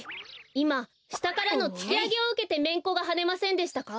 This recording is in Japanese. いましたからのつきあげをうけてめんこがはねませんでしたか？